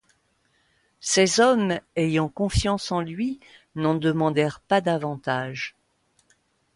Ses hommes, ayant confiance en lui, n’en demandèrent pas davantage.